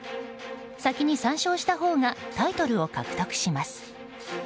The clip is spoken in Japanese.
先に３勝したほうがタイトルを獲得します。